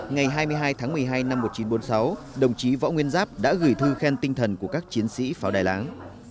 ngày hai mươi hai tháng một mươi hai năm một nghìn chín trăm bốn mươi sáu đồng chí võ nguyên giáp đã gửi thư khen tinh thần của các chiến sĩ pháo đài láng